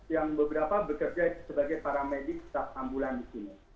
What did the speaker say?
yang beberapa bekerja sebagai para medis staff ambulan di sini